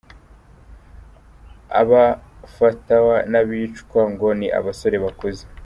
Abafatawa n’abicwa ngo ni abasore bakuze.